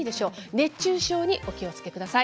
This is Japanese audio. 熱中症にお気をつけください。